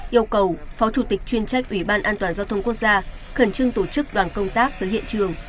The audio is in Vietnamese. yêu cầu phó chủ tịch chuyên trách ủy ban an toàn giao thông quốc gia khẩn trương tổ chức đoàn công tác tới hiện trường